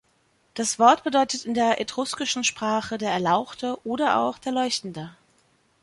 Das Wort bedeutet in der etruskischen Sprache der Erlauchte oder auch der Leuchtende.